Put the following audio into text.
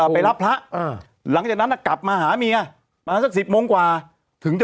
ไปรับพระหลังจากนั้นนะกลับมาหามีน่ะสัก๑๐โมงกว่าถึงจะ